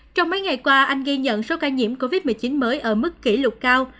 trong mấy ngày qua anh ghi nhận số ca nhiễm covid một mươi chín mới ở mức kỷ lục cao